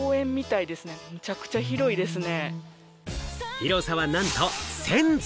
広さはなんと１０００坪。